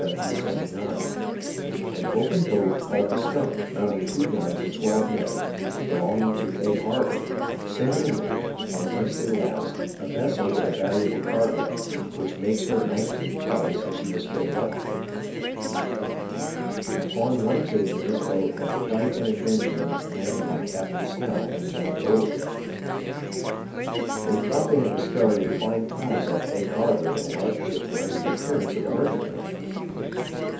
An open boat called the Skunk, mounting two guns and twelve men, belonging to Egg Harbor, sent in there, on Wednesday last, a vessel with a valuable cargo, which makes her nineteenth prize since she was fitted out. Upon one occasion this boat had quite \_sic~\ an adventure when commanded by Captain Snell and John Goldin. They thought they had discov ered a fine prize off Egg Harbor in a large ship wearing the appearance of a merchantman.